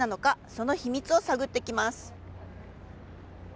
その秘密を探ってきます。